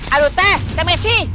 aduh teh teh messi